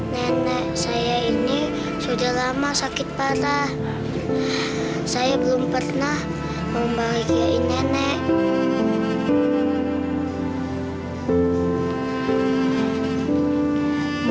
nene saya ini sudah lama sakit parah saya belum pernah membagi nenek